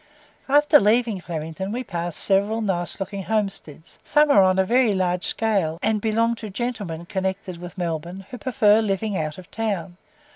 After leaving Flemington, we passed several nice looking homesteads; some are on a very large scale, and belong to gentlemen connected with Melbourne, who prefer "living out of town."